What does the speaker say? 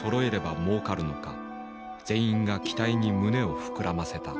全員が期待に胸を膨らませた。